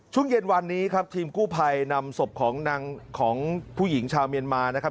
ช่วงเย็นวันนี้ครับทีมกู้ภัยนำศพของนางของผู้หญิงชาวเมียนมานะครับ